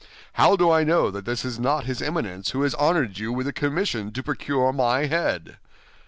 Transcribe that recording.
How do I know that this is not his Eminence who has honored you with the commission to procure my head?